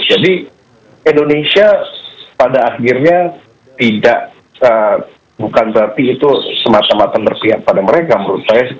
jadi indonesia pada akhirnya tidak bukan berarti itu semata mata berpihak pada mereka menurut saya